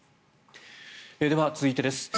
では、続いてです。